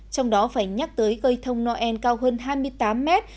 trong đó phải nhắc tới cây thông noel cao hơn hai mươi tám mét